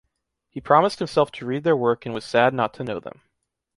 He promised himself to read their work and was sad not to know them.